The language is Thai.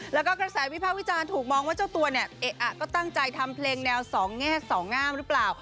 แล้วก็กระแสวิภาควิจารณ์ถูกมองว่าเจ้าตัวเนี่ยก็ตั้งใจทำเพลงแนวสองแง่สองงามหรือเปล่า